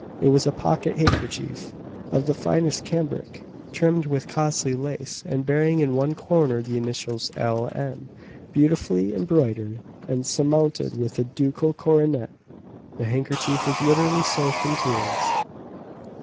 It was a pocket handkerchief, of the finest cambric, trimmed with costly lace, and bearing in one corner the initials "L. N." beautifully embroidered, and surmounted with a ducal coronet. The handkerchief was literally soaked in tears.